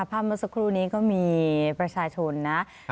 เมื่อสักครู่นี้ก็มีประชาชนนะ